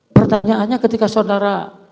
pertanyaannya ketika saudara